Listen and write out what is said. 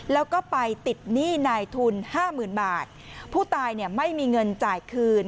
แล้วก็ไปติดหนี้นายทุนห้าหมื่นบาทผู้ตายเนี่ยไม่มีเงินจ่ายคืน